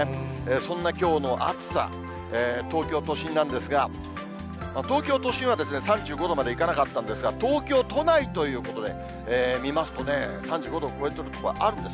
そんなきょうの暑さ、東京都心なんですが、東京都心は３５度までいかなかったんですが、東京都内ということで、見ますとね、３５度を超えた所はあるんです。